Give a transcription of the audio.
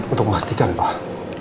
untuk memastikan pak